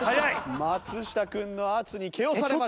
松下君の圧に気おされました。